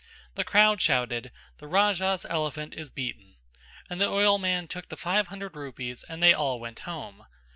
The crowd shouted "The Raja's elephant is beaten." And the oilman took the five hundred rupees and they all went home.